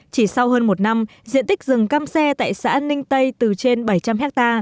chỉ sau hơn một năm diện tích rừng cam xe tại xã ninh tây từ trên bảy trăm linh ha